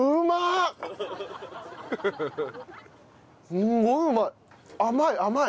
すんごいうまい！